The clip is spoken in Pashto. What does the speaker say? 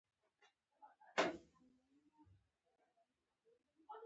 قلم د سولهدوستو قوت دی